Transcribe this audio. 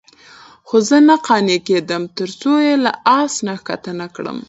خو زه نه قانع کېدم. ترڅو یې له آس نه ښکته کړم،